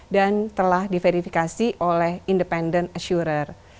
dan telah diverifikasi oleh independent assurer